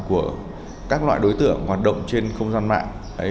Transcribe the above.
của các loại đối tượng hoạt động trên không gian mạng